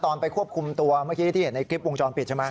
ไปควบคุมตัวเมื่อกี้ที่เห็นในคลิปวงจรปิดใช่ไหม